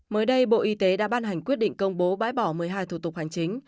mới đây bộ y tế đã ban hành quyết định công bố bãi bỏ một mươi hai thủ tục hành chính